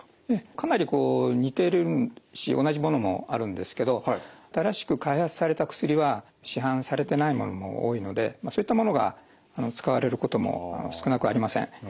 かなりこう似てるし同じものもあるんですけど新しく開発された薬は市販されてないものも多いのでそういったものが使われることも少なくありません。